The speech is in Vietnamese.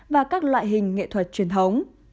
và các loại hình nghệ thuật truyền thống